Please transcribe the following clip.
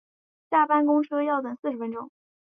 下班公车要等四十分钟